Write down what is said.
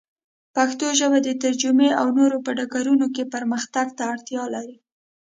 پښتو ژبه د ترجمې او نورو په ډګرونو کې پرمختګ ته اړتیا لري.